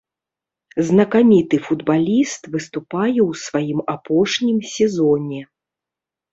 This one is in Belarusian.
Знакаміты футбаліст выступае ў сваім апошнім сезоне.